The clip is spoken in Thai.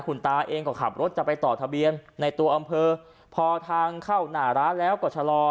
คุณตาเองก็ขับรถจะไปต่อทะเบียนในตัวอำเภอพอทางเข้าหน้าร้านแล้วก็ชะลอ